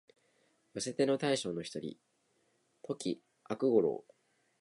寄せ手の大将の一人、土岐悪五郎